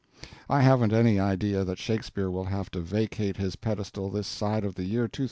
I haven't any idea that Shakespeare will have to vacate his pedestal this side of the year 2209.